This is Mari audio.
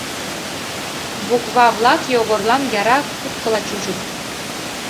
Буква-влак Йогорлан яра куткыла чучыт.